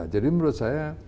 jadi menurut saya